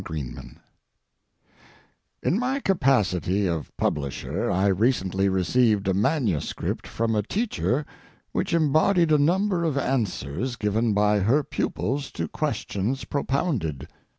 ] GIRLS In my capacity of publisher I recently received a manuscript from a teacher which embodied a number of answers given by her pupils to questions propounded.